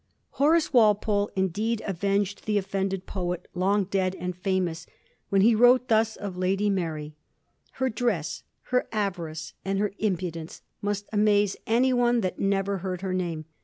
Horace Walpole indeed avenged the offended poet, long dead and famous, when he wrote thus of Lady Mary :—* Her dress, her avarice, and her impudence must amaze any one that never heard her name.